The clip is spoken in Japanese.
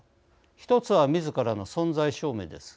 １つはみずからの存在証明です。